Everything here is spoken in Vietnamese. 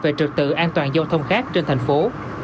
về trực tự an toàn giao thông khác trên thành phố